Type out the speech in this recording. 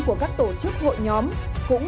của các tổ chức hội nhóm cũng